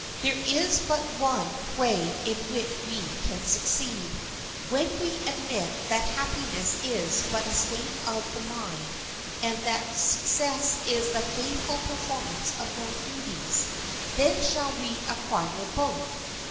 There is but one way in which we can succeed; when we admit that happiness is but a state of the mind, and that success is the faithful performance of known duties, then shall we acquire both.